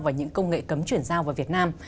và những công nghệ cấm chuyển giao vào việt nam